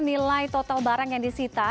nilai total barang yang disita